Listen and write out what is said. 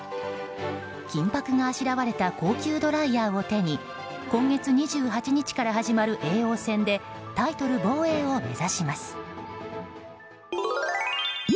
金箔があしらわれた高級ドライヤーを手に今月２８日から始まる叡王戦でタイトル防衛を目指します。